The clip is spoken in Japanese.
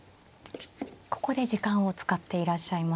ここで時間を使っていらっしゃいます。